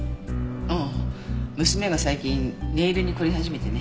ああ娘が最近ネイルに凝り始めてね。